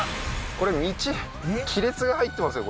これ道亀裂が入ってますよ